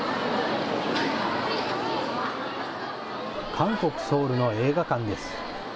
韓国・ソウルの映画館です。